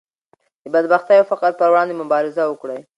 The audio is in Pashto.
د بدبختۍ او فقر پر وړاندې مبارزه وکړئ.